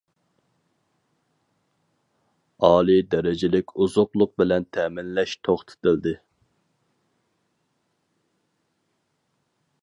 ئالىي دەرىجىلىك ئوزۇقلۇق بىلەن تەمىنلەش توختىتىلدى.